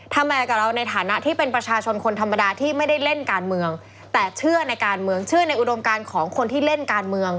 ทำไมกับเราในฐานะที่เป็นประชาชนคนธรรมดาที่ไม่ได้เล่นการเมืองแต่เชื่อในการเมืองเชื่อในอุดมการของคนที่เล่นการเมือง